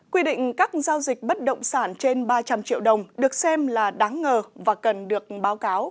quy định các giao dịch bất động sản trên ba trăm linh triệu đồng được xem là đáng ngờ và cần được báo cáo